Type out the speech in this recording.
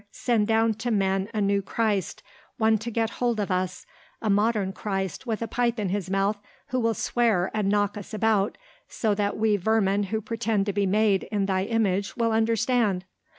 Send down to men a new Christ, one to get hold of us, a modern Christ with a pipe in his mouth who will swear and knock us about so that we vermin who pretend to be made in Thy image will understand.